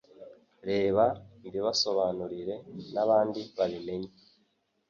Reka mbibasobanurire nabandi babimenye.